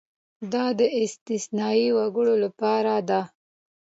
دا د استثنايي وګړو لپاره ده.